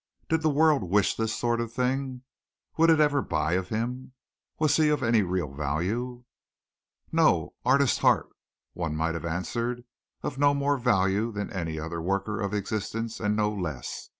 Did the world wish this sort of thing? Would it ever buy of him? Was he of any real value? "No, artist heart!" one might have answered, "of no more value than any other worker of existence and no less.